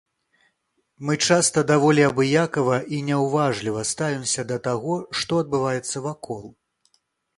Мы часта даволі абыякава і няўважліва ставімся да таго, што адбываецца вакол.